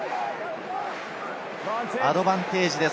アドバンテージです。